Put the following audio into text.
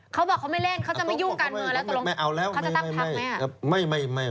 เขาบอกเขาไม่เล่นเขาจะไม่ยุ่งการเมืองแล้วตกลงแล้วเขาจะตั้งพักไหม